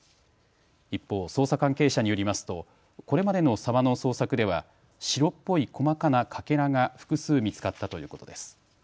一方、捜査関係者によりますとこれまでの沢の捜索では白っぽい細かなかけらが複数見つかったということです。